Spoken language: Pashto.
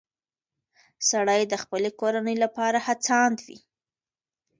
سړی د خپلې کورنۍ لپاره هڅاند وي